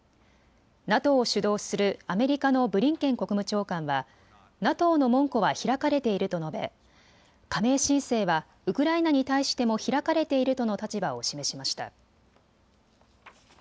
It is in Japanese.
ＮＡＴＯを主導するアメリカのブリンケン国務長官はＮＡＴＯの門戸は開かれていると述べ加盟申請はウクライナに対しても開かれているとの立場を示しました。